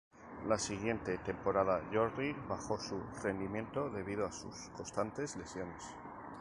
La siguiente temporada Jordi bajó su rendimiento debido a sus constantes lesiones.